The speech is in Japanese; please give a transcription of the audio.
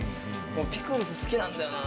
ピクルス好きなんだよな。